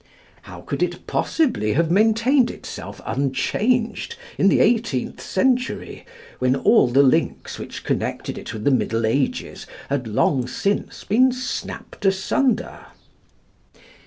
How could it possibly have maintained itself unchanged in the eighteenth century, when all the links which connected it with the Middle Ages had long since been snapped asunder?